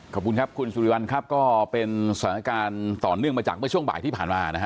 ขอบคุณครับคุณสุริวัลครับก็เป็นสถานการณ์ต่อเนื่องมาจากเมื่อช่วงบ่ายที่ผ่านมานะฮะ